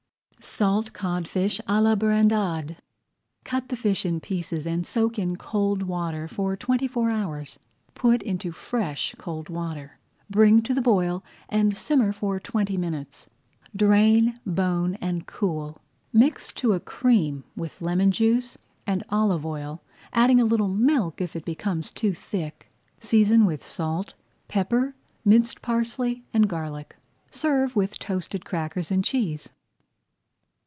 SALT CODFISH À LA BRANDADE Cut the fish in pieces and soak in cold water for twenty four hours. Put into fresh cold water, bring to the boil, and simmer for twenty minutes. Drain, bone, and cool. Mix to a cream with lemon juice and olive oil, adding a little milk if it becomes too thick. Season with salt, pepper, minced parsley, and garlic. Serve with toasted crackers and cheese.